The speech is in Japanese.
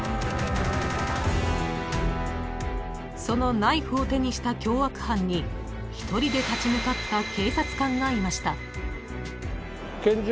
［そのナイフを手にした凶悪犯に一人で立ち向かった警察官がいました］